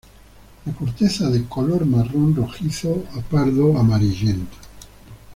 La corteza de color marrón rojizo a pardo amarillento.